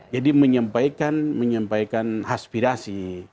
jadi menyampaikan aspirasi